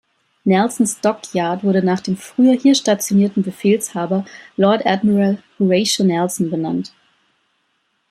Nelson’s Dockyard wurde nach dem früher hier stationierten Befehlshaber Lord Admiral Horatio Nelson benannt.